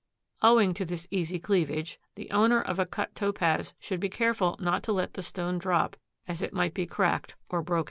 Owing to this easy cleavage the owner of a cut Topaz should be careful not to let the stone drop, as it might be cracked or broken.